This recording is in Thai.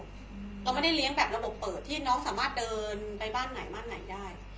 เราไม่ได้เลี้ยงแบบระบบเปิดที่น้องสามารถเดินไปบ้านไหนบ้านไหนได้